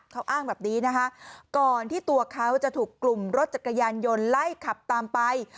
เขาอ้างแบบนี้นะคะก่อนที่ตัวเขาจะถูกกลุ่มรถจักรยานยนต์ไล่ขับตามไป